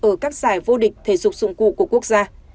ở các giải vô địch thể dục dụng cụ của quốc gia